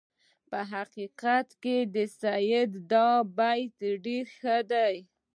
په حقیقت کې د سعدي دا بیت ډېر ښه دی.